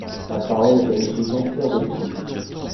La parole est à Monsieur Jean-Pierre Decool.